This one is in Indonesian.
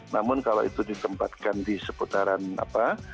namun kalau itu ditempatkan di seputaran apa